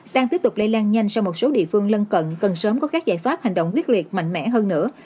đang tiếp tục lây lan nhanh sang một số địa phương lân cận cần sớm có các giải pháp hành động quyết liệt mạnh mẽ hơn nữa